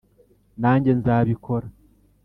nanjye nzabikora